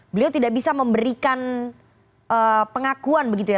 beliau tidak bisa memberikan pengakuan begitu ya